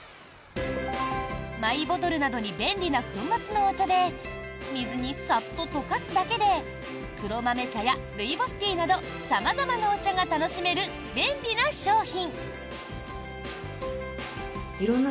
マイボトルなどに便利な粉末のお茶で水にサッと溶かすだけで黒豆茶やルイボスティーなど様々なお茶が楽しめる便利な商品。